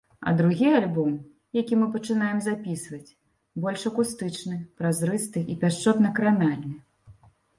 А другі альбом, які мы пачынаем запісваць, больш акустычны, празрысты і пяшчотна-кранальны.